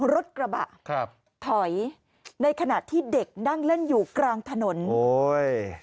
รถกระบะครับถอยในขณะที่เด็กนั่งเล่นอยู่กลางถนนโอ้ย